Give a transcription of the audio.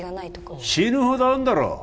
ああ死ぬほどあんだろ